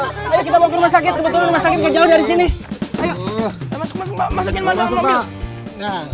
ayo masuk masuk masuk masuk masuknya